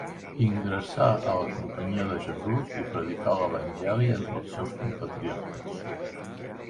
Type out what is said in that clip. Ingressà a la Companyia de Jesús i predicà l'Evangeli entre els seus compatriotes.